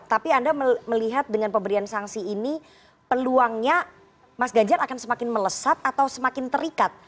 tapi anda melihat dengan pemberian sanksi ini peluangnya mas ganjar akan semakin melesat atau semakin terikat